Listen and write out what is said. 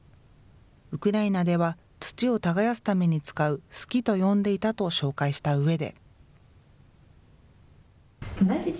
ウクライナでは土を耕すために使うすきと呼んでいたと紹介したうえで。